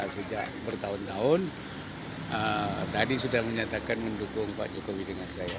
sejak bertahun tahun tadi sudah menyatakan mendukung pak jokowi dengan saya